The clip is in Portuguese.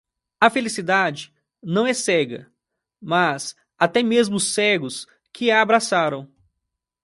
A felicidade não é cega, mas até mesmo os cegos que a abraçaram.